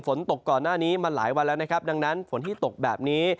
ฝนตกก่อนหน้านี้มาหลายวันแล้วนะครับดังนั้นฝนที่ตกแบบนี้